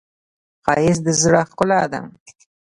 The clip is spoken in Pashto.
ښایست د زړه ښکلا ده